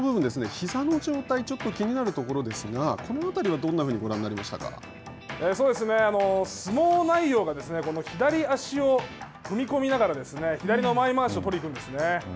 ひざの状態ちょっと気になるところですがこの中ではどんなふうに相撲内容が左足で踏み込みながら左の前まわしを取りに行くんですね。